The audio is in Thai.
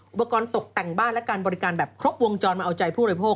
อุปกรณ์ตกแต่งบ้านและการบริการแบบครบวงจรมาเอาใจผู้บริโภค